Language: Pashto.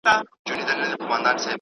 هغه وويل چي خواړه ورکول مهم دي.